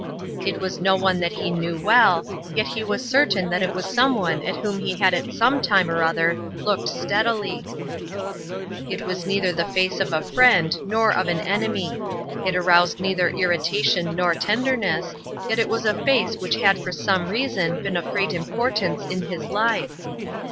It was no one that he knew well, yet he was certain that it was someone at whom he had at sometime or other looked steadily. It was neither the face of a friend nor of an enemy; it aroused neither irritation nor tenderness, yet it was a face which had for some reason been of great importance in his life.